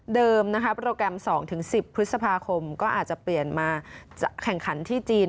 โปรแกรม๒๑๐พฤษภาคมก็อาจจะเปลี่ยนมาแข่งขันที่จีน